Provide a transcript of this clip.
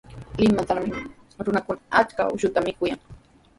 Limatrawmi runakuna achka akshuta mikuyan.